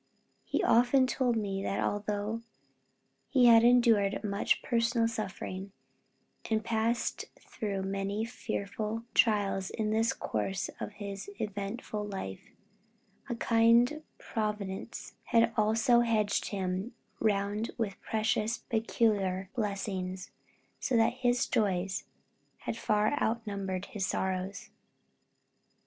He often told me that although he had endured much personal suffering, and passed through many fearful trials in the course of his eventful life, a kind Providence had also hedged him round with precious, peculiar blessings, so that his joys had far outnumbered his sorrows.